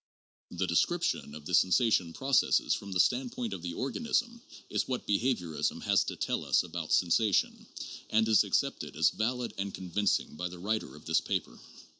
The description of the sensation processes from the standpoint of the organism is what behaviorism has to tell us about sensation, and is accepted as valid and convincing by the writer of this paper.